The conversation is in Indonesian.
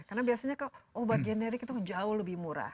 karena biasanya obat generik itu jauh lebih murah